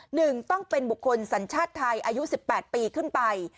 หนึ่งต้องเป็นบุคคลสัญชาติไทยอายุสิบแปดปีขึ้นไป